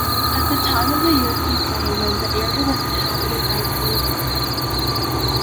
At the time of European settlement, the area was inhabited by the Potawatomi.